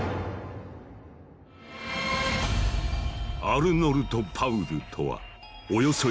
アルノルト・パウルとはおよそ